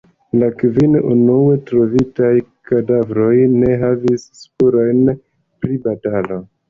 La kvin unue trovitaj kadavroj ne havis spurojn pri batalo.